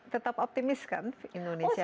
tetap optimis kan indonesia